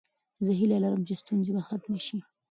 زه هیله لرم چې ستونزې به ختمې شي.